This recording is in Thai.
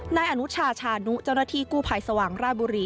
นายอนุชาชานุเจ้าหน้าที่กู้ภัยสว่างราชบุรี